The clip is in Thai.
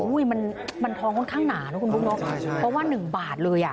อุ้ยมันมันทองค่อนข้างหนาเนอะคุณพุ่งเนอะใช่เพราะว่าหนึ่งบาทเลยอ่ะ